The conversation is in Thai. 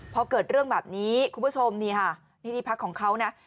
พอเกิดเรื่องแบบนี้คุณผู้ชมนี่ภาคของเขานะ